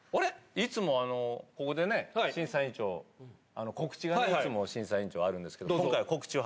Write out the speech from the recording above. いつもここでね、審査員長、告知がね、いつも審査員長、あるんですけど、今回、告知は？